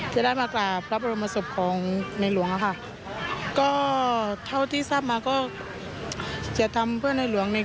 จะได้มากราบพระบรมศพของในหลวงอะค่ะก็เท่าที่ทราบมาก็จะทำเพื่อในหลวงใน